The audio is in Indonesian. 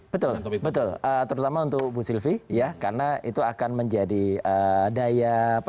betul betul terutama untuk bu sylvi ya karena itu akan menjadi daya